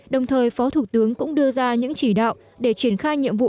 đồng thời phó thủ tướng cũng đưa ra những chỉ đạo để triển khai nhiệm vụ